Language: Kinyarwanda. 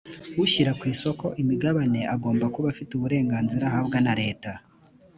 ushyira ku isoko imigabane agomba kuba afite uburenganzira ahabwa na leta